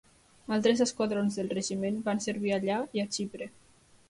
Altres esquadrons del regiment van servir allà i a Xipre.